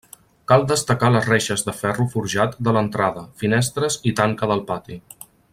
Cal destacar les reixes de ferro forjat de l'entrada, finestres i tanca del pati.